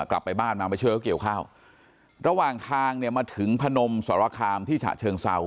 กลับไปบ้านมามาช่วยเขาเกี่ยวข้าวระหว่างทางเนี่ยมาถึงพนมสรคามที่ฉะเชิงเซา